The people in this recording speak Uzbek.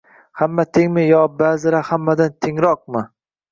Hamma tengmi yoki ba’zilar hammadan «tengroq»mi?